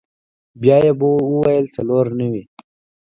بيا يې وويل څلور نوي.